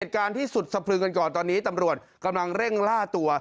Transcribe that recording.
การที่สุดสะพรึงกันก่อนตอนนี้ตำรวจกำลังเร่งล่าตัว